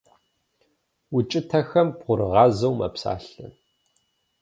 Укӏытэхыр бгъурыгъазэу мэпсалъэ.